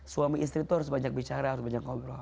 suami istri itu harus banyak bicara harus banyak ngobrol